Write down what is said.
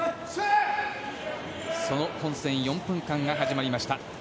その本戦４分間が始まりました。